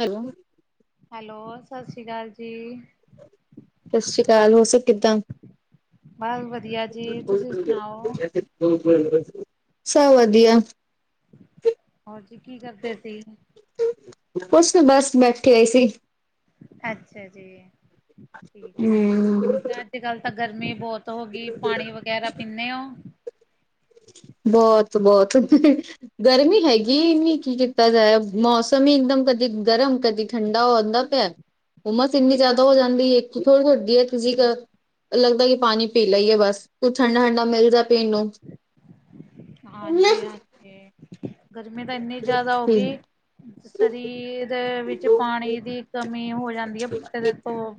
Hello hello, ਸਤਿ ਸ਼੍ਰੀ ਅਕਾਲ ਜੀ। ਸਤਿ ਸ੍ਰੀ ਅਕਾਲ ਹੋ ਸਬ ਕਿੱਦਾਂ? ਬਸ ਵਧੀਆ ਜੀ ਤੁਸੀਂ ਸੁਣਾਓ [unintelligible] [unintelligible] ਸਭ ਵਧੀਆ ਹੋਰ ਜੀ ਕੀ ਕਰਦੇ ਸੀ? ਕੁਝ ਨੀ ਬਸ ਬੈਠੇ ਏ ਸੀ। ਅੱਛਾ ਜੀ, ਠੀਕ ਹੈ, ਹਮ ਮੈ ਕਿਹਾ ਅੱਜ-ਕੱਲ ਤਾਂ ਗਰਮੀ ਬਹੁਤ ਹੋ ਗੀ ਪਾਣੀ ਵਗੈਰਾ ਪੀਂਣੇ ਉ ਬਹੁਤ-ਬਹੁਤ ਗਰਮੀ ਹੈਗੀ ਇੰਨੀ ਕੀ ਕੀਤ [unintelligible] ਮੌਸਮ ਹੀ ਇੱਕ ਦਮ ਕਦੇ ਗਰਮ ਕਦੀ ਠੰਡਾ ਉਂਦਾ ਪਿਆ। ਉਮਸ ਇੰਨੀ ਜ਼ਿਆਦਾ ਹੋ ਜਾਂਦੀ ਏ ਥੋੜੀ-ਥੋੜੀ ਦੇਰ ਤੁਸੀ ਲੱਗਦਾ ਕਿ ਪਾਣੀ ਪੀ ਲਈਏ ਬਸ ਕੁੱਛ ਠੰਡਾ-ਠੰਡਾ ਮਿਲ ਜਾ ਪੀਣ ਨੂੰ ਹਾਂਜੀ-ਹਾਂਜੀ, ਗਰਮੀ ਤਾਂ ਇੰਨੀ ਜ਼ਿਆਦਾ ਹੋ ਗਈ ਸਰੀਰ ਦੇ ਵਿੱਚ ਪਾਣੀ ਦੀ ਕਮੀ ਹੋ ਜਾਂਦੀ ਏ ਇਹਦੇ ਤੋਂ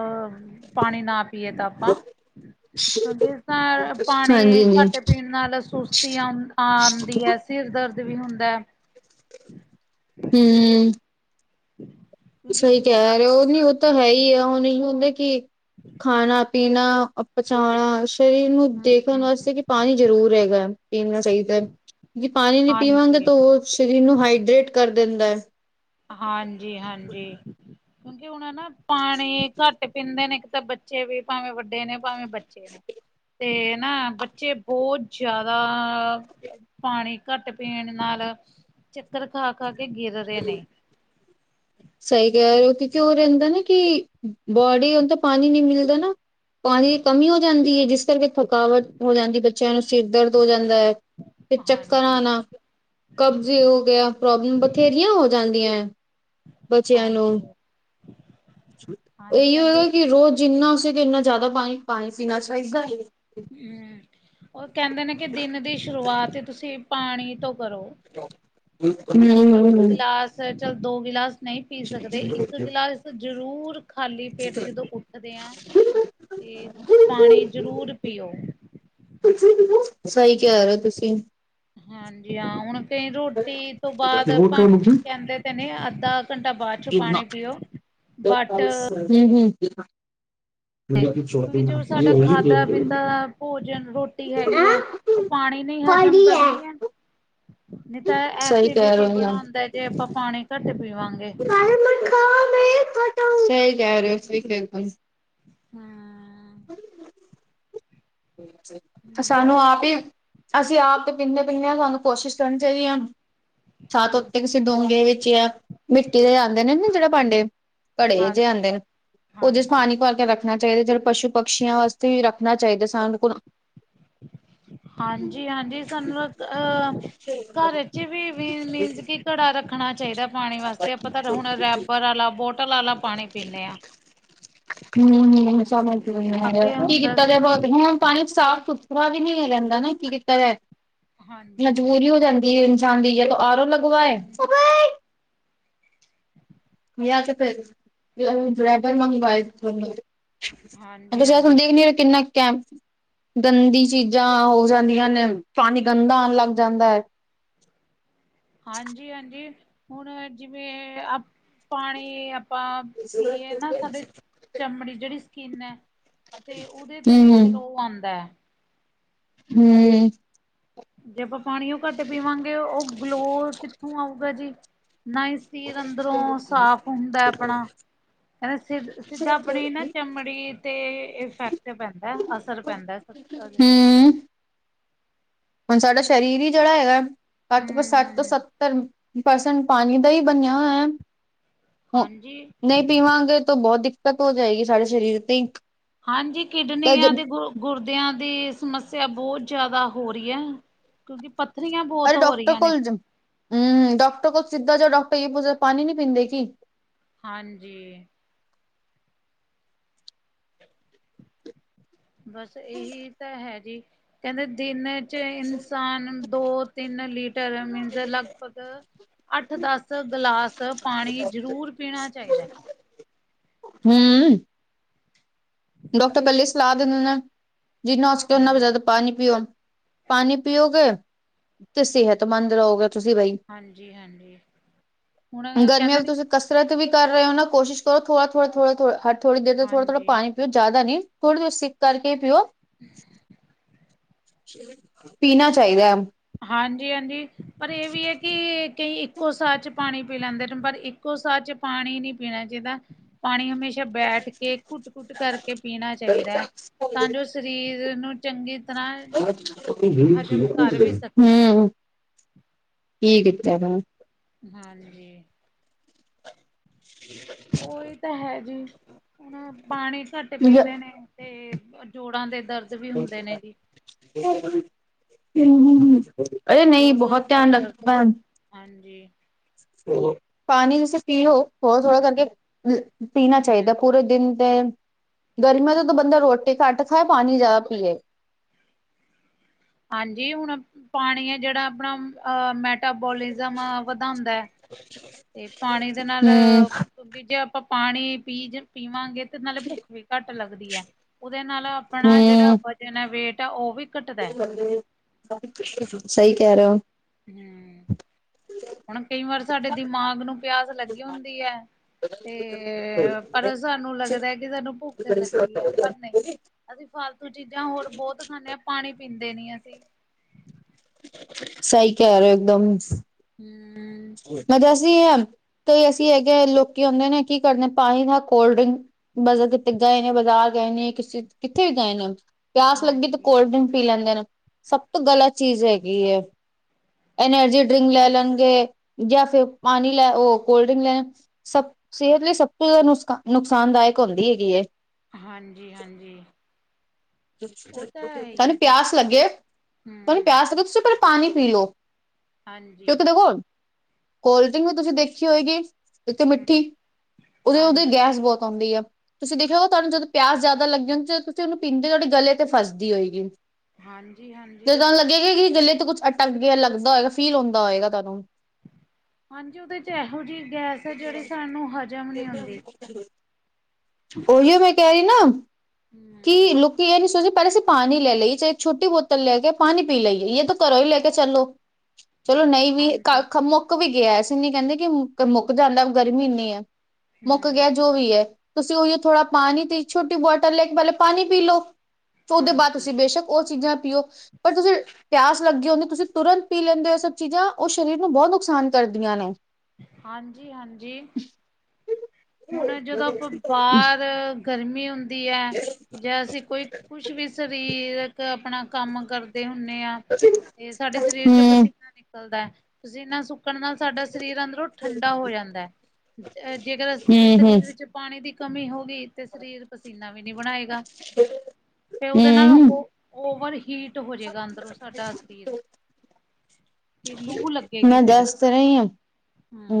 ਅਹ, ਪਾਣੀ ਨਾ ਪੀਏ ਤਾਂ ਆਪਾਂ ਕਿਉਂਕਿ ਇਸ ਤਰਾਂ ਪਾਣੀ ਹਾਂਜੀ ਹਾਂਜੀ ਹਮ ਘੱਟ ਪੀਣ ਨਾਲ ਸੁਸਤੀ ਆ ਆਂਦੀ ਏ, ਸਿਰ ਦਰਦ ਵੀ ਹੁੰਦਾ ਏ। ਹੂੰ। ਕਿਉਂਕਿ ਸਹੀ ਹੂੰ, ਕਹਿ ਰਹੇ ਔ ਨੀ ਉ ਤਾਂ ਹੈ ਹੀ ਆ ਹੁਣ ਨੀ ਹੁੰਦਾ ਕਿ ਖਾਣਾ ਪੀ ਪੀਣਾ ਪਚਾਣਾ ਸਰੀਰ ਨੂੰ ਦੇਖਣ ਹੂੰ, ਹੂੰ, ਵਾਸਤੇ ਕਿ ਪਾਣੀ ਜ਼ਰੂਰ ਹੈਗਾ ਪੀਣਾ ਚਾਹੀਦਾ ਜੇ ਪਾਣੀ ਨੀ ਪੀਵਾਂਗੇ ਹਾਂਜੀ। ਤਾਂ ਉਹ ਸਰੀਰ ਨੂੰ ਹਾਈਡਰੇੇਟ ਕਰ ਦਿੰਦਾ ਹੈ। ਹਾਂਜੀ ਹਾਂਜੀ, ਕਿਉਂਕਿ ਹੁਣ ਨਾ ਪਾਣੀ ਘੱਟ ਪੀਂਦੇ ਨੇ ਇੱਕ ਤਾਂ ਬੱਚ ਬੱਚੇ ਵੀ ਭਾਵੇਂ ਵੱਡੇ ਨੇ ਭਾਵੇਂ ਬੱਚੇ ਨੇ, ਤੇ ਨਾ ਬੱਚੇ ਬੋਤ ਜਾਦਾ ਪਾਣੀ ਘੱਟ ਪੀਣ ਨਾਲ ਚੱਕਰ ਖਾ ਖਾ ਕੇ ਗਿਰ ਰੇ ਨੇ। ਸਈ ਕੈ ਰਏ ਓ ਕਿ ਓ ਰੈਂਦਾ ਨਾ ਕਿ ਬੋਡੀ ਓਨ ਤਾਂ ਪਾਣੀ ਨੀ ਮਿਲਦਾ ਨਾ ਪਾਣੀ ਦੀ ਕਮੀ ਹੋ ਜਾਂਦੀ ਏ ਜਿਸ ਕਰਕੇ ਥਕਾਵਟ ਹੋ ਜਾਂਦੀ ਬੱਚੇਆਂ ਨੂੰ ਸਿਰ ਦਰਦ ਹੋ ਜਾਂਦਾ ਏ ਫਿਰ ਚੱਕਰ ਮੈਂ ਹਾਂਜੀ, ਆਣਾ ਕਬਜੀ ਹੋ ਗੇਆ ਪ੍ਰੋਬਲਮ ਬਥੇਰੀਆਂ ਹੋ ਜਾਂਦੀਆਂ ਐਂ ਬੱਚੇਆਂ ਨੂੰ। ਹਾਂਜੀ, ਏਈ ਓ ਹਾਂਜੀ-ਹਾਂਜੀ। ਓਕਿ ਰੋਜ਼ ਜਿੰਨਾ ਉਸੇ ਕੇ ਇੰਨਾ ਜਾਦਾ ਪਾਣੀ ਪਾਣੀ ਪੀਣਾ ਚਾਈਦਾ ਐ। ਹੂੰ। ਓ ਕੈਂਦੇ ਨੇ ਕਿ ਦਿਨ ਦੀ ਸ਼ੁਰੂਆਤ ਈ ਤੁਸੀ ਪਾਣੀ ਤੋਂ ਕਰੋ। [inaudible] ਇੱਕ ਹਮ ਗਿਲਾਸ ਚਲ ਦੋ ਗਿਲਾਸ ਨਈ ਪੀ ਸਹੀ ਸਕਦੇ ਕਹਿ ਰਹੇ ਇੱਕ ਗਿਲਾਸ ਜਰੂਰ ਖਾਲੀ ਪੇਟ ਜਦੋਂ ਉੱਠਦੇ ਆਂ ਤੇ ਹੋ ਤੁਸੀਂ। ਪਾਣੀ ਜਰੂਰ ਪੀਓ। [unintelligible] ਸਈ ਕੈ ਰੇ ਓ ਤੁਸੀ। ਹਾਂਜੀ ਹਾਂ, ਹੁਣ ਫੇਰ ਰੋਟੀ ਤੋਂ ਬਾਦ ਆਪਾਂ ਕੈਂਦੇ ਕੈਂਦੇ ਅੱਧਾ ਘੰਟਾ ਬਾਦ ਚ ਪਾਣੀ ਪੀਓ ਬਟ ਹੂੰ ਹੂੰ। ਜੋ ਸਾਡਾ ਖਾਧਾ ਪੀਤਾ ਭੋਜਨ ਰੋਟੀ ਹੈਗੀ ਐ ਓ ਪਾਣੀ ਨੇ ਈ ਹਜਮ ਕਰਨੀ ਐ। ਨੀ ਤਾਂ ਐਸੀਡਿਟੀ ਬਣਾਉਂਦਾ ਜੇ ਆਪਾਂ ਪਾਣੀ ਘੱਟ ਪੀਵਾਂਗੇ। ਸਈ ਕੈ ਰੇ ਓ, ਸਈ ਕੈ ਬਿਲਕੁਲ। ਹੂੰ। [unintelligible] ਬਸ ਸਾਨੂੰ ਆਪ ਈ, ਅਸੀ ਆਪ ਤੇ ਪੀਂਦੇ ਪੀਂਦੇ ਆਂ, ਸਾਨੂੰ ਕੋਸ਼ਿਸ਼ ਕਰਨੀ ਚਾਈਦੀ ਏ ਹਮ ਉੱਤੇ ਕਿਸੇ ਡੋਂਗੇ ਵਿੱਚ ਯਾ ਮਿੱਟੀ ਦੇ ਆਂਦੇ ਨੇ ਨਾ ਜੇੜੇ ਭਾਂਡੇ। ਘੜੇ ਜੇ ਹਾਂਜੀ ਆਂਦੇ ਨ, ਓਦੇ ਚ ਹਾਂਜੀ ਹਾਂ। ਪਾਣੀ ਭਰ ਕੇ ਰੱਖ ਰੱਖਨਾ ਚਾਈਦਾ ਜਦ ਪਸ਼ੂ ਪਕਸੀ਼ਆਂ ਵਾਸਤੇ ਵੀ ਰੱਖਣਾ ਚਾਈਦਾ ਸਾਨੂੰ ਕੋ ਹਾਂਜੀ-ਹਾਂਜੀ ਸਾਨੂੰ ਕ ਘਰ ਚ ਵੀ ਵੀ ਮੀਨਸ ਕਿ ਘੜਾ ਰੱਖਣਾ ਚਾਈਦੈ। ਪਾਣੀ ਵਾਸਤੇ। ਆਪਾਂ ਤਾਂ ਹੁਣ ਰੈਪਰ ਆਲਾ ਬੋਟਲ ਆਲਾ ਪਾਣੀ ਪੀਨੇ ਆਂ। ਹੂੰ ਹੂੰ ਸਮਝ ਨੀ ਆ ਅੱਗੇ ਰੇਤਾ। ਕੀ ਹੁੰਦਾ ਕੀਤਾ ਸੀ ਕਿ ਜਾਵੇ ਪਾਣੀ ਸਾਫ਼ ਸੁਥਰਾ ਵੀ ਨੀ ਰੈਂਦਾ ਨਾ ਕੀ ਕੀਤਾ ਜਾਏ, ਹਾਂਜੀ ਮਜਬੂਰੀ ਹੋ ਜਾਂਦੀ ਏ। ਜਾਂਦੀ ਏ ਤੋ ਆਰੋ ਲਗਵਾਏ। ਹਾਂਜੀ ਯਾਂ ਤੇ ਫੇਰ ਰੈਬਰ ਮੰਗਵਾਏ। ਤੁਸੀ ਐ ਹਾਂਜੀ ਸਾਨੂੰ ਦੇਖਦੇ ਓ ਕਿੰਨਾ ਕੈਮ ਗੰਦੀ ਚੀਜਾਂ ਹੋ ਜਾਂਦੀਆਂ ਨੇ। ਪਾਣੀ ਗੰਦਾ ਆਨ ਲੱਗ ਜਾਂਦਾ ਐ। ਹਾਂਜੀ-ਹਾਂਜੀ ਹੁਣ ਜਿਵੇਂ ਆਪ ਪਾਣੀ ਆਪਾਂ ਪੀਏ ਨਾ ਸਾਡੇ ਚਮੜੀ ਜੇੜੀ ਸਕਿੰਨ ਐ ਅਤੇ ਓਦੇ ਤੇ ਵੀ ਹੂੰ-ਹੂੰ, ਗਲੋ ਆਂਦਾ ਐ। ਹੂੰ। ਜੇ ਆਪਾਂ ਪਾਣੀਓ ਘੱਟ ਪੀਵਾਂਗੇ ਓ ਗਲੋ ਕਿੱਥੋਂ ਆਊਗਾ ਜੀ। ਨਾ ਈ ਸਰੀਰ ਅੰਦਰੋ ਸਾਫ਼ ਹੁੰਦਾ ਐ ਆਪਣਾ। ਅ ਸਿੱਧ ਸਿੱਧਾ ਅਪਣੀ ਨਾ ਚਮੜੀ ਤੇ ਇਫੈਕਟ ਪੈਂਦੈ ਅਸਰ ਪੈਂਦਾ ਐ। ਅਸ ਆਗਤੇ। ਹੁਣ ਸਾਡਾ ਸ਼ਰੀਰ ਈ ਜੇੜਾ ਹੈਗਾ, ਸੱਤ ਤੋਂ ਸੱਤ ਤੋਂ ਹੂੰ ਸੱਤਮ ਇੱਕ ਪਰਸਨ ਪਾਣੀ ਦਾ ਹੀ ਬਣੇਆ ਹੋਏਆ ਹ ਹਾਂਜੀ। ਨਈ। ਪੀਵਾਂਗੇ ਤੋ ਬੋਤ ਦਿੱਕਤ ਹੋ ਜਾਏਗੀ ਸਾਡੇ ਸ਼ਰੀਰ ਤੇ ਈ। ਹਾਂਜੀ ਕਿਡਨੀਆਂ ਦੇ ਗ ਗੁਰਦੇਆਂ ਦੀ ਸਮੱਸਿਆ ਬੋਤ ਜ਼ਾਦਾ ਹੋ ਰਈ ਐ ਕਿਉਂਕਿ ਪੱਥਰੀਆਂ ਬੋਤ ਹੋ ਰਈਆਂ ਨੇ। ਹੂੰ--ਡਾਕਟਰ ਕੋਲ ਸਿੱਧਾ ਜਾਓ ਡਾਕਟਰ ਏ ਪੂਛਦੇ ਪਾਣੀ ਨੀ ਪੀਂਦੇ ਕਿ? ਹਾਂਜੀ। ਬਸ ਏਹੀ ਤਾਂ ਹੈਗੇ ਕੇਂਦੇ ਦਿਨ ਚ ਇਨਸਾਨ ਦੋ- ਤਿੰਨ ਲੀਟਰ ਮੀਨਜ਼ ਲਗਭਗ ਅੱਠ -ਦਸ ਗਲਾਸ ਪਾਣੀ ਜ਼ਰੂਰ ਪੀਣਾ ਚਾਈਦਾ। ਹੂੰ ਡਾਕਟਰ ਇਕੱਲੀ ਸਲਾਹ ਦਿੰਦੇ ਨੇ ਜਿੰਨਾ ਹਸ ਕੇ ਓਨਾ ਹਮ ਜ਼ਾਦਾ ਪਾਣੀ ਪੀਓ ਪਾਣੀ ਪੀਓਗੇ ਤੇ ਸੇਹਤਮੰਦ ਰਹੋਗੇ ਤੁਸੀਂ ਬਈ। ਹਾਂਜੀ-ਹਾਂਜੀ ਹੁਣ ਏ ਗਰਮੀਆਂ ਕੇਂਦੇ ਵਿੱਚ ਨੇ ਤੁਸੀਂ ਕਸਰਤ ਵੀ ਕਰ ਰਹੇ ਹੋ ਨਾ ਕੋਸ਼ਿਸ਼ ਕਰੋ ਥੋੜਾ ਥੋੜ੍ਹ ਥੋੜ੍ਹ ਥੋ ਹ ਥੋੜੀ ਦੇਰ ਥੋੜਾ ਥੋੜਾ ਹਾਂਜੀ ਪਾਣੀ ਪਿਓ ਜਾਦਾ ਨੀ ਥੋੜੀ-ਥੋੜੀ ਸਿੱਪ ਕਰਕੇ ਪਿਓ [inaudible] ਪੀਣਾ ਚਾਈਦਾ। ਹਾਂਜੀ-ਹਾਂਜੀ ਪਰ ਏ ਵੀ ਐ ਕੀ ਕਈ ਇੱਕੋ ਸਾ ਚ ਪਾਣੀ ਪੀ ਲੈਂਦੇ ਨੇ ਪਰ ਇੱਕੋ ਸ ਚ ਪਾਣੀ ਨਈ ਪੀਣਾ ਚਾਹੀਦਾ ਪਾਣੀ ਹਮੇਸ਼ਾ ਬੈਠ ਕੇ ਘੁੱਟ- ਘੁੱਟ ਕਰਕੇ ਪੀਣਾ ਚਾਈਦਾ ਹੈ ਤਾਂ ਜੋ ਸਰੀਰ ਨੂੰ ਚੰਗੀ ਤਰ੍ਹਾਂ, ਹਜ਼ਮ ਕਰ ਵ ਹੂੰ, ਕੀ ਕੀਤਾ ਗਾ। ਹਾਂਜੀ। [inaudible] ਓ ਈ ਤਾਂ ਹੈ ਜੀ ਹੁਣ ਪਾਣੀ ਘੱਟ ਪੀਂਨੇ ਕੀਤਾ ਨੇ ਤੇ ਜੋੜਾਂ ਦੇ ਦਰਦ ਵੀ ਹੁੰਦੇ ਨੇ ਜੀ। ਹ [unintelligible] ਓਏ ਨਹੀਂ ਜੋੜਾਂ ਬੋਹਤ ਦਾ ਧਿਆਨ ਦਰਦ ਲੱਗਦਾ ਹਾਂਜੀ। ਹੋਰ ਪਾਣੀ ਤੁਸੀਂ ਪੀਓ ਥੋੜ੍ਹਾ -ਥੋੜ੍ਹਾ ਕਰਕੇ। ਪੀਣਾ ਚਾਈਦਾ ਹੂੰ। ਪੂਰੇ ਦਿਨ ਤੇ। ਗਰਮੀਆਂ ਚ ਤਾਂ ਬੰਦਾ ਰੋਟੀ ਘੱਟ ਖਾਏ ਪਾਣੀ ਜ਼ਾਦਾ ਪੀਏ। ਹਾਂਜੀ ਹੁਣ ਪਾਣੀ ਐ ਜੇੜਾ ਆਪਣਾ ਆ ਮੈਟਾਬੋਲਿਜ਼ਮ ਵਧਾਂਦਾ। ਬ [unintelligible] ਤੇ ਪਾਣੀ ਦੇ ਨਾਲ ਕਿ ਜੇ ਆਪਾਂ ਪਾਣੀ ਪੀਜ ਪੀਵਾਂਗੇ ਤੇ ਨਾਲੇ ਭੁੱਖ ਵੀ ਘੱਟ ਲੱਗਦੀ ਐ, ਓਦੇ ਨਾਲ ਆਪਣਾ ਜੇੜਾ ਵਜ਼ਨ ਐ ਵੇਟ ਆ ਓ ਵੀ ਘੱਟਦਾ। ਹਾਂਜੀ, ਸਈ ਕੈ ਰਏ ਓ। ਹੂੰ ਹੁਣ ਕਈ ਵਾਰ ਸਾਡੇ ਦਿਮਾਗ ਨੂੰ ਪਿਆਸ ਲੱਗੀ ਹੁੰਦੀ ਐ ਤੇ ਪਰ ਸਾਨੂੰ ਲੱਗਦਾ ਕਿ ਸਾਨੂੰ ਭੁੱਖ ਲੱਗੀ ਐ ਪਰ ਨਈ। ਅਸੀਂ ਫਾਲਤੂ ਚੀਜ਼ਾਂ ਹੋਰ ਬੋਤ ਖਾਂਨੇ ਆ ਪਾਣੀ ਪੀਂਦੇ ਨੀ ਅਸੀਂ। ਸਈ ਕੈ ਰਏ ਓ ਇੱਕਦਮਸ। ਹੂੰ ਮੈਂ ਦੱਸਦੀ ਆ ਕੇਈ ਐਸੇ ਹੈਗੇ ਲੋਕੀ ਆਉਂਦੇ ਨੇ, ਕੀ ਕਰਦੇ ਨੇ ਪਾਣੀ ਨਾ ਕੋਲਡ-ਡਰਿੰਕ। ਬਸ ਜਿੱਦਾਂ ਆਏ ਬਾਜ਼ਾਰ ਗਏ ਨੇ [unintelligible] ਦੱਸ ਕਿੱਥੇ ਵੀ ਗਏ ਨੇ। ਪਿਆਸ਼ ਲੱਗੀ ਤੇ ਹਾਂਜੀ ਕੋਲਡ ਡਰਿੰਕ ਪੀ ਲੈਂਦੇ ਨੇ, ਸਭ ਤੋਂ ਗਲਤ ਚੀਜ਼ ਹੈਗੀ ਏ। ਐਨਰਜੀ਼ ਡਰਿੰਕ ਲੈ ਲੈਣ ਗਏ ਜਾਂ ਫਿਰ ਪਾਣੀ ਓ ਲੈ ਕੋਲਡ ਡਰਿੰਕ ਲੈ ਸਭ ਸਿਹਤ ਲਈ ਸਭ ਤੋਂ ਜ਼ਿਆਦਾ ਨੁਕਸ- ਨੁਕਸਾਨਦਾਇਕ ਹੁੰਦੀ ਹੈਗੀ ਐ। ਹਾਂਜੀ-ਹਾਂਜੀ। ਆ ਤੁਹਾਨੂੰ ਜੀ ਪਿਆਸ ਲੱਗੇ, ਤੁਹਾਨੂੰ ਹਮ ਪਿਆਸ ਲੱਗੇ ਤੁਸੀਂ ਪਹਿਲਾਂ ਪਾਣੀ ਪੀ ਲਓ। ਹਾਂਜੀ ਕਿਉਕਿ ਦੇਖੋ ਕੋਲਡ ਡਰਿੰਕ ਵੀ ਤੁਸੀਂ ਦੇਖੀ ਹੋਏ ਗੀ। ਇੱਕ ਤੇ ਹਮ ਮਿੱਠੀ, ਉਹਦੇ ਉਹਦੇ ਹਾਂਜੀ ਗੈਸ ਬਹੁਤ ਆਉਂਦੀ ਆ। ਤੁਸੀ ਦੇਖਿਆ ਹੋ ਤੁਹਾਨੂੰ ਜਦੋਂ ਪਿਆਸ ਜਿਆਦਾ ਲੱਗੀ ਹੁੰਦੀ, ਜਦੋਂ ਤੁਸੀ ਉਨੂੰ ਪੀਣੇ ਤੇ ਤੁਹਾਡੇ ਗਲੇ ਤੇ ਫੱਸਦੀ ਹੋਏਗੀ। ਹਾਂਜੀ-ਹਾਂਜੀ। ਲੱਗੇ ਗਲੇ ਤੋਂ ਕੁਛ ਅਟੱਕ ਗਿਆ, ਲੱਗਦਾ ਹੋਏਗਾ ਫੀਲ ਹੁੰਦਾ ਹੋਏਗਾ ਤੁਹਾਨੂੰ। ਹਾਂਜੀ। ਉਹਦੇ ਚ ਇਹੋ ਜਿਹੀ ਗੈਸ ਹੈ ਜਿਹੜੀ ਸਾਨੂੰ ਹਜ਼ਮ ਨਹੀ ਹੁੰਦੀ। [unintelligible] ਉਹੀ ਓ ਮੈਂ ਕਹਿ ਰਹੀ ਨਾ ਹਮ। ਕੀ ਲ ਕੀ ਇਹ ਨੀ ਸੋਚੋ ਪਹਿਲੇ ਅਸੀ ਪਾਣੀ ਲੈ ਲਈਏ, ਚਾਹੇ ਛੋਟੀ ਬੋਤਲ ਲੈ ਕੇ ਪਾਣੀ ਪੀ ਲਈਏ ਜਾਂ ਤਾਂ ਘਰੋਂ ਹੀ ਤਾਂ ਘਰੋ ਈ ਲੈ ਕੇ ਚਲੋ। [inaudible] ਚਲੋ, ਨਹੀਂ ਵੀ ਹਾਂਜੀ ਕ ਮੁੱਕ ਵੀ ਗਿਆ। ਅਸੀਂ ਨੀ ਕਹਿੰਦੇ ਕਿ ਮੁੱਕ ਜਾਂਦਾ ਗਰਮੀ ਇੰਨੀ ਐ। ਮੁੱਕ ਹਮ ਗਿਆ ਜੋ ਵੀ ਐ, ਤੁਸੀਂ ਉਹੀ ਓ ਥੋੜਾ ਪਾਣੀ ਦੀ ਛੋਟੀ ਬੋਟਲ ਲੈ ਕੇ ਪਹਿਲੇ ਪਾਣੀ ਪੀ ਲਓ। ਉਹ ਦੇ ਬਾਅਦ ਹਾਂਜੀ ਤੁਸੀਂ ਬੇਸ਼ੱਕ ਉਹ ਚੀਜ਼ਾਂ ਪੀਓ ਪਰ ਤੁਸੀਂ ਪਿਆਸ ਲੱਗੀ ਹੁੰਦੀ, ਤੁਸੀਂ ਤੁਰੰਤ ਪੀ ਲੈਂਦੇ ਓ ਇਹ ਸਭ ਚੀਜ਼ਾਂ, ਉਹ ਸਰੀਰ ਨੂੰ ਬਹੁਤ ਨੁਕਸਾਨ ਕਰਦੀਆਂ ਨੇ। ਹਾਂਜੀ-ਹਾਂਜੀ। [unintelligible] ਹੂੰ ਹੁਣ ਜਦੋਂ ਆਪਾਂ ਬਾਹਰ ਗਰਮੀ ਹੁੰਦੀ ਐ ਜਾ ਅਸੀਂ ਕੋਈ ਕੁਝ ਵੀ ਸਰੀਰਕ ਆਪਣਾ ਕੰਮ ਕਰਦੇ ਹੁੰਨੇ ਆ। ਤੇ ਸਾਡੇ ਸਰੀਰ ਚੋ ਪਸੀਨਾ ਨਿਕਲਦੇ। ਪਸੀਨਾ ਸੁੱਕਣ ਨਾਲ ਸਾਡਾ ਸਰੀਰ ਅੰਦਰੋਂ ਠੰਡਾ ਹੋ ਜਾਂਦੈ। ਅ ਜੇਕਰ ਅਸੀਂ ਹੂੰ ਹੂੰ ਸਰੀਰ ਵਿਚ ਚ ਪਾਣੀ ਦੀ ਕਮੀ ਹੋ ਗਈ ਤੇ ਸਰੀਰ ਪਸੀਨਾ ਵੀ ਨਈ ਬਣਾਏਗਾ ਤੇ ਉਹਦੇ ਨਾਲ ਓ-ਓਵਰ ਹੀਟ ਹੋ ਹੋ ਜਾਏਗਾ ਅੰਦਰੋਂ ਸਾਡਾ ਸਰੀਰ। ਤੇ ਲੂ ਲੱਗੇਗੀ ਮੈਂ ਫਿਰ ਦੱਸ ਤੇ ਰਹੀ ਆ,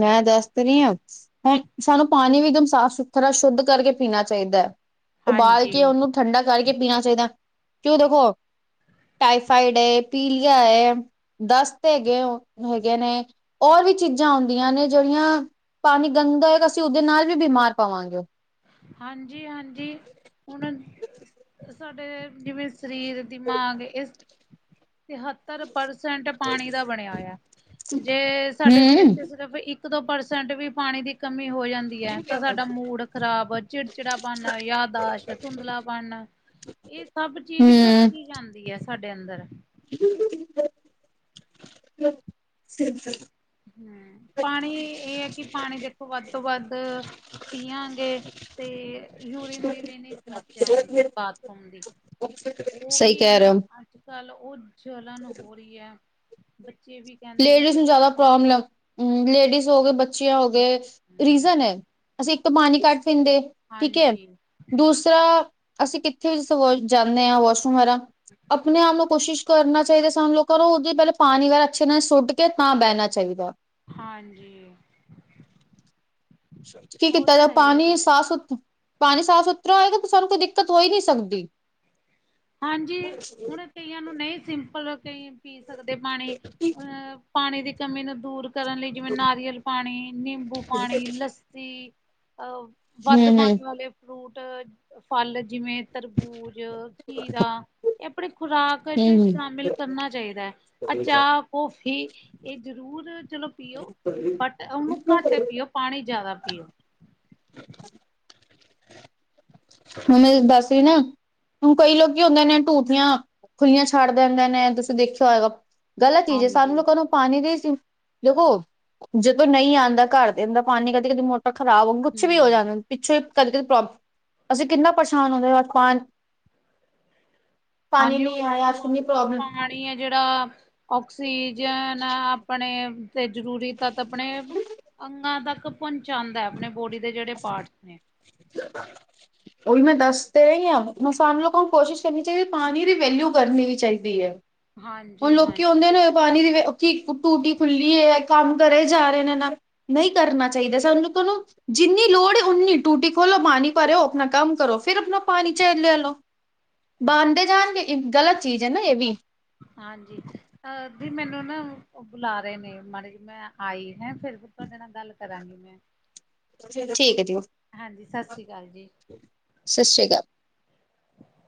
ਮੈਂ ਦੱਸ ਤੇ ਰਹੀ ਆਂ ਹੈਂ ਸਾਨੂੰ ਪਾਣੀ ਵੀ ਇੱਕਦਮ ਸਾਫ਼-ਸੁਥਰਾ, ਸ਼ੁੱਧ ਕਰਕੇ ਪੀਣਾ ਚਾਹੀਦਾ ਐ। ਉਬਾਲ ਕੇ ਹਾਂਜੀ ਉਹਨੂੰ ਠੰਡਾ ਕਰਕੇ ਪੀਣਾ ਚਾਹੀਦੈ, ਕਿਉਂ ਦੇਖੋ ਟਾਈਫਾਈਡ ਐ ਪੀਲੀਆ ਏ, ਦਸਤ [unintelligible] ਹੈਗੇ ਨੇ, ਹੋਰ ਵੀ ਚੀਜ਼ਾਂ ਆਉਂਦੀਆਂ ਨੇ ਜਿਹੜੀਆਂ ਪਾਣੀ ਗੰਦਾ ਹੋਏਗਾ, ਅਸੀਂ ਉਹਦੇ ਨਾਲ ਵੀ ਬਿਮਾਰ ਪਾਵਾਂਗੇ। ਹਾਂਜੀ-ਹਾਂਜੀ। ਹੁਣ ਸ-ਸਾਡੇ ਜਿਵੇਂ ਸਰੀਰ, ਦਿਮਾਗ ਇਸ ਹੱ ਸੱਤਰ ਪਰਸੈਂਟ ਪਾਣੀ ਦਾ ਬਣਿਆ ਹੋਇਆ, ਜੇ ਸਾਡੇ ਸਰੀਰ ਹੂੰ ਚ ਸ਼ਿਰਫ ਇੱਕ-ਦੋ ਪਰਸੈਂਟ ਵੀ ਪਾਣੀ ਦੀ ਕਮੀ ਹੋ ਜਾਂਦੀ ਐ ਤਾਂ ਸਾਡਾ ਮੂਡ ਖ਼ਰਾਬ, ਚਿੜਚਿੜਾ-ਪਨ, ਯਾਦਾਸ਼, ਧੁੰਧਲਾ-ਪਣ ਏ ਸਭ ਚੀਜ਼ ਹੂੰ ਘੱਟਦੀ ਜਾਂਦੀ ਐ ਸਾਡੇ ਅੰਦਰ। [unintelligible] ਹੂੰ, ਪਾਣੀ ਏ ਐ ਕਿ ਪਾਣੀ ਦੇਖੋ ਵੱਧ ਤੋਂ ਵੱਧ ਪੀਆਂਗੇ। ਤੇ ਯੂਰੀਨ ਦੀ ਵੀ ਨੀ ਸਮੱਸਿਆ ਹੁੰਦੀ, ਬਾਥਰੂਮ ਦੀ। ਉਹ ਸਈ ਵੀ ਕੈ ਹੁਣ ਰੇਓ। ਅੱਜ ਕੱਲ ਓ ਜਲਣ ਹੋ ਰੀਏ, ਬੱਚੇ ਵੀ ਕਹਿੰਦੇ ਨੇ ਲੇਡੀਜ਼ ਨੂੰ ਵੱਡੇ ਵੀ ਜਾਦਾ ਕਹਿੰਦੇ ਪ੍ਰੋਬਲਮ ਲੇਡੀਜ਼ ਹੋਗ, ਲੇਡੀਜ਼ ਹੋ ਗੇ ਬੱਚੀਆਂ ਹੋ ਨੇ। ਗਏ, ਹਮ ਰੀਜ਼ਨ ਐ। ਅਸੀਂ ਇੱਕ ਤੋਂ ਪਾਣੀ ਕੱਟ ਪੀਂਦੇ ਦੇ ਠੀਕ ਐ, ਹਾਂਜੀ ਦੂਸਰਾ ਅਸੀਂ ਕਿੱਥੇ ਵੀ ਜਾਂਨੇ ਆਂ ਵਾਸ਼ਰੂਮ ਵਗੈਰਹ ਅਪਨੇ ਆਪ ਨੂੰ ਕੋਸ਼ਿਸ਼ ਕਰਨਾ ਚਾਈਦੈ। ਸਾਨੂੰ ਲੋਕਾਂ ਨੂੰ ਉਦੇ ਪੈਲਾਂ ਪਾਣੀ ਵਾਰ ਅੱਛੇ ਨਾਲ ਸੁੱਟ ਕੇ ਤਾਂ ਬੈਣਾ ਚਾਈਦੈ। ਹਾਂਜੀ। ਕੀ ਉਹ ਕੀਤਾ ਤਾਂ ਜਾਵੇ ਹੈ ਹੀ ਹੈ ਪਾਣੀ ਜੀ। ਸਾਫ ਸੁਥ ਪਾਣੀ ਸਾਫ਼ ਸੁਥਰਾ ਹੋਏਗਾ ਤਾਂ ਸਾਨੂੰ ਕੋਈ ਦਿੱਕਤ ਹੋਈ ਨੀਂ ਸਕਦੀ। ਹਾਂਜੀ, ਹੁਣ ਕਈਆਂ ਨੂੰ ਨਈਂ ਸਿੰਪਲ ਕਈ ਪੀ ਸਕਦੇ ਪਾਣੀ ਹੁਣ ਪਾਣੀ ਦੀ ਕਮੀ ਨੂੰ ਦੂਰ ਕਰਨ ਲਈ ਜਿਵੇਂ ਨਾਰੀਅਲ ਪਾਣੀ, ਨਿੰਬੂ ਪਾਣੀ, ਲੱਸੀ ਅਹ ਹੂੰ ਵੱਧ ਹੂੰ ਪਾਨੀ ਵਾਲੇ ਫਰੂਟ, ਫਲ ਜਿਵੇਂ ਤਰਬੂਜ ਖੀਰਾ ਐ ਅਪਨੀ ਖੁਰਾਕ ਚ ਹੂੰ ਹੂੰ। ਸ਼ਾਮਿਲ ਕਰਨਾ ਚਾਈਦੈ, ਐ ਚਾਹ ਕੌਫੀ ਐ ਜਰੂਰ ਚਲੋ ਪੀਓ, ਬਟ ਓਨੂੰ ਘੱਟ ਪੀਓ। ਪਾਣੀ ਜਾਦਾ ਪੀਓ। ਹੁਨ ਦੱਸ ਵੀ ਨਾ ਹੁਣ ਕਈ ਲੋਕੀ ਕੀ ਹੁੰਦੇ ਨੇ ਟੂਟੀਆਂ ਖੁੱਲੀਆਂ ਛੱਡ ਦਿੰਦੇ ਨੇ ਤੁਸੀਂ ਦੇਖੇਆ ਹੈਏਗਾ। ਗਲਤ ਚੀਜ ਐ, ਸਾਂਨੂੰ ਹਾਂਜੀ ਲੋਕਾਂ ਨੂੰ ਪਾਣੀ ਦੀ ਦੇਖੋ, ਜਦੋਂ ਨਈਂ ਆਂਦਾ ਘਰ ਤੇ ਅੰਦਰ ਪਾਣੀ ਕਦੀ-ਕਦੀ ਮੋਟਰ ਖਰਾਬ ਹੁੰਦੀ ਕੁਛ ਵੀ ਹੋ ਹਮ ਜਾਂਦਾ, ਪਿੱਛੋਂ ਕਦੇ ਕਦੇ ਪ੍ਰੋਬਮ ਅਸੀਂ ਕਿੰਨਾ ਪਰੇਸ਼ਾਨ ਹੁੰਦੇ ਅਪਾਂ ਪਾਨੀ ਨੀਂ ਆਯਾ, ਅੱਜ ਕਿੰਨੀ ਪ੍ਰੋਬਲਮ ਏ ਜੇੜਾ ਓਕਸੀਜੇਨ ਅਪਨੇ ਜੇੜਾ ਤੇ ਜਰੂਰੀ ਤੱਤ ਅਪਨੇ ਅੰਗਾਂ ਤੱਕ ਪਉਂਚਾਂਨਦੈ ਅਪਨੇ ਬੋਡੀ ਦੇ ਜੇੜੇ ਪਾਰਟਸ ਨੇ। [inaudible] ਓਈ ਮੈਂ ਦੱਸ ਤੇ ਰਈਂਆਂ, ਹੁਨ ਸਾਨੂੰ ਲੋਕਾਂ ਨੂੰ ਕੋਸ਼ਿਸ਼ ਕਰਨੀ ਚਾਈਦੀ ਪਾਣੀ ਦੀ ਵੈਲਿਊ ਕਰਨੀ ਵੀ ਚਾਈਦੀ ਐ। ਹੁਣ ਹਾਂਜੀ ਲੋਕੀ ਹੁੰਦੇ ਹਾਂਜੀ ਨੇ ਪਾਣੀ ਦੀ ਓ ਕੀ ਟੂਟੀ ਖੁੱਲੀ ਐ, ਕੰਮ ਕਰੀ ਜਾਰੇ ਨੇ। ਨਈਂ ਕਰਨਾ ਚਾਈਦਾ, ਸਾਨੂੰ ਲੋਕਾਂ ਨੂੰ ਜਿੰਨੀ ਲੋੜ ਏ ਓਨੀ ਟੂਟੀ ਖੋਲੋ ਪਾਣੀ ਭਰੋ ਅਪਨਾ ਕੰਮ ਕਰੋ, ਫਿਰ ਆਪਣਾ ਪਾਣੀ ਚਾਏ ਹਾਂ ਲੈਲੋਬਣਦੇ ਜਾਣਗੇ। ਇੱਕ ਗ਼ਲਤ ਚੀਜ ਏਨਾ ਏ ਵੀ। ਹਾਂਜੀ। ਅ ਦੀ ਮੈਨੂੰ ਨਾ ਓ ਬੁਲਾ ਰੇਨੇ, ਮਾੜੀ ਜੀ ਮੈਂ ਆਈ ਹੈਂ, ਫਿਰ ਤੁਆਡੇ ਨਾਲ ਗੱਲ ਕਰਾਂਗੀ ਮੈਂ। [inaudible] ਚਲੋ ਠੀਕੈ ਜੀ, ਓ ਹਾਂਜੀ, ਸਤਿ ਸ੍ਰੀ ਅਕਾਲ ਜੀ। ਸਸ਼ ਸ਼੍ਰੀ ਅਕਾਲ।